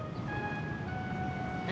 bisa dipake lagi katanya